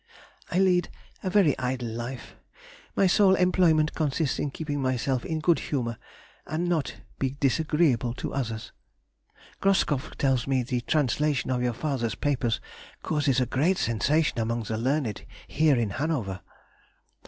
I lead a very idle life, my sole employment consists in keeping myself in good humour and not be disagreeable to others. Groskopf tells me the translation of your father's papers causes a great sensation among the learned here in Hanover.